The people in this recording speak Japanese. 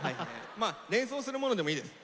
まあ連想するものでもいいです。